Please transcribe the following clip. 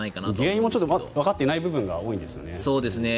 原因もまだわかっていない部分が多いんですよね。